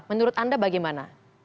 menurut anda bagaimana